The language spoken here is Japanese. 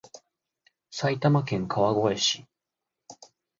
埼玉県川越市